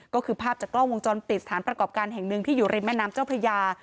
ก็คือภาพจากกล้องวงจรปิดสถานประกอบการแห่งหนึ่งที่อยู่ริมแม่น้ำเจ้าพระยา